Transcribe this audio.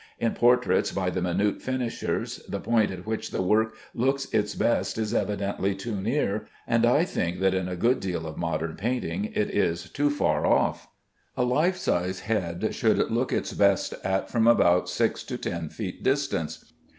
In portraits by the minute finishers, the point at which the work looks its best is evidently too near, and I think that in a good deal of modern painting it is too far off. A life size head should look its best at from about six to ten feet distance.